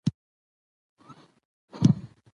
بادام د افغانستان د سیاسي جغرافیې یوه برخه ده.